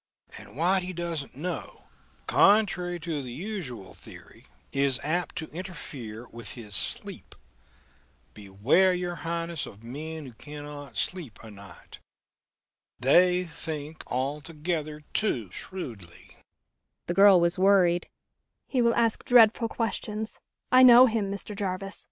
And what he doesn't know, contrary to the usual theory, is apt to interfere with his sleep. Beware, your Highness, of men who cannot sleep o'night they think altogether too shrewdly!"